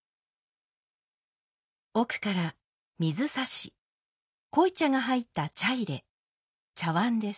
奥から「水指」濃茶が入った「茶入」「茶碗」です。